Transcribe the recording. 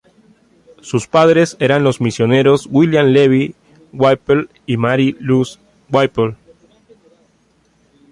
Sus padres eran los misioneros William Levi Whipple y Mary Louise Whipple.